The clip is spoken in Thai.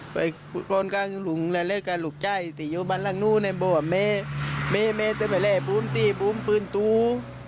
ไปอาหารกลัวลุงแล้วเลยก็ลุกใจที่ยังบ้านล่างนู้นบอกว่าแม่ก็ไม่เต็มไปเลยภูมิตีภูมิปืนตัว